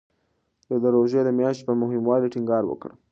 ده د روژې میاشتې په مهموالي ټینګار وکړ.